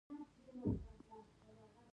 موږ د هغه په ذهن کې لېوالتیا وکرله.